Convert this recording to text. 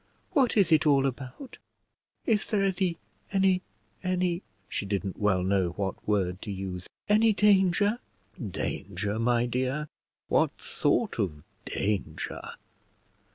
What is it all about? Is there any any any " she didn't well know what word to use "any danger?" "Danger, my dear, what sort of danger?"